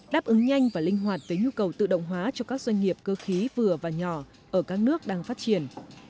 đáp ứng nhanh và linh hoạt với nhu cầu tự động hóa cho các doanh nghiệp cơ khí vừa và nhỏ ở các nước đang phát triển